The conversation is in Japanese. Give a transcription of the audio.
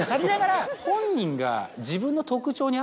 本人が。